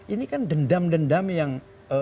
ini kan dendam dendam yang